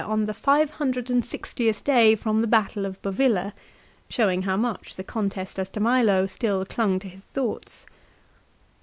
97 on the five hundred and sixtieth day from the battle of Bovilla, showing how much the contest as to Milo still clung to his thoughts.